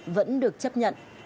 vẫn được chấp nhận